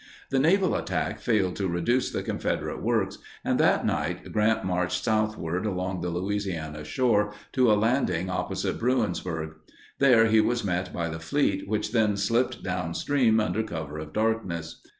The naval attack failed to reduce the Confederate works, and that night Grant marched southward along the Louisiana shore to a landing opposite Bruinsburg. There he was met by the fleet which then slipped downstream under cover of darkness.